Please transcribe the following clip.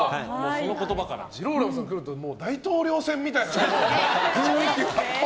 ジローラモさんが来ると大統領選みたいに。